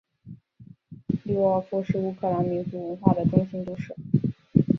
利沃夫是乌克兰民族文化的中心都市。